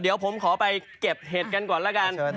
เดี๋ยวผมขอไปเก็บเห็ดกันก่อนแล้วกัน